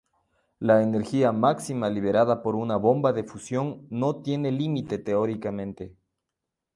La energía máxima liberada por una bomba de fusión no tiene límite teóricamente.